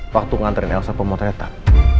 waktu ngantarin elsa ke motoretan